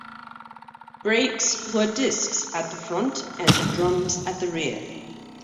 Brakes were discs at the front and drums at the rear.